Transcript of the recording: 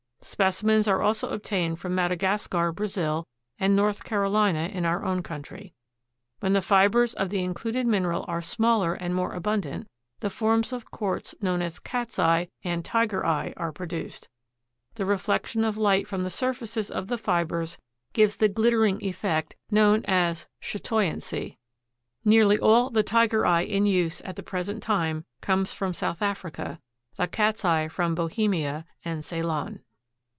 Specimens are also obtained from Madagascar, Brazil, and North Carolina in our own country. When the fibers of the included mineral are smaller and more abundant, the forms of quartz known as "cat's eye" and "tiger eye" are produced. The reflection of light from the surfaces of the fibers gives the glittering effect known as chatoyancy. Nearly all the "tiger eye" in use at the present time comes from South Africa; the cat's eye from Bohemia and Ceylon.